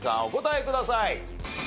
お答えください。